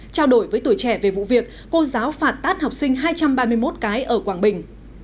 trao đổi với tuổi trẻ về vụ việc cô giáo phạt tát học sinh hai trăm ba mươi một cái ở quảng bình